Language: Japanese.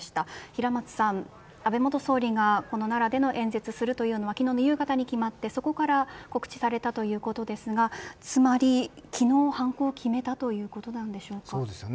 平松さん、安倍元総理がこの奈良での演説をするというのは昨日の夕方に決まってそこから告知されたということですがつまり昨日犯行を決めたということなんでしょうか。